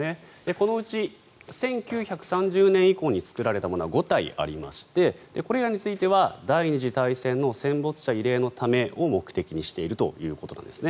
このうち１９３０年以降に作られたものは５体ありましてこれらについては第２次大戦の戦没者慰霊のためを目的にしているということです。